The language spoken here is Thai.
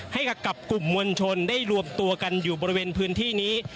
ให้กับกลุ่มมวลชนได้รวมตัวกันอยู่บริเวณพื้นที่นี้